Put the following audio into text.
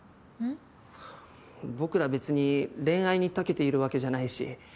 僕ら別に恋愛に長けているわけじゃないし。